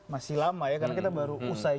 masih lama ya karena kita baru usai